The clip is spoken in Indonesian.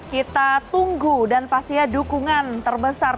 kita tunggu dan pastinya dukungan terbesar